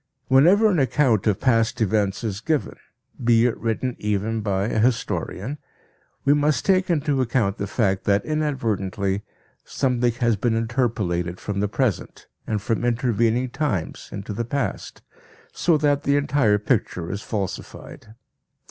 Whenever an account of past events is given, be it written even by a historian, we must take into account the fact that inadvertently something has been interpolated from the present and from intervening times into the past; so that the entire picture is falsified.